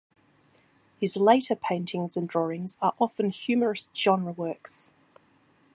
His later paintings and drawings are often humorous genre works.